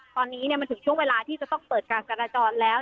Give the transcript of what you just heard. ตอนนี้มันถึงช่วงเวลาที่จะต้องเปิดการจราจรแล้ว